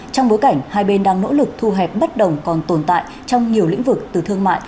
trong bối cảnh hai bên đang nỗ lực thu hẹp bất đồng còn tồn tại trong nhiều lĩnh vực từ thương mại